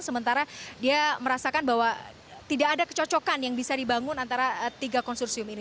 sementara dia merasakan bahwa tidak ada kecocokan yang bisa dibangun antara tiga konsorsium ini